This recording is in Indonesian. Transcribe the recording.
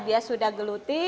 dia sudah geluti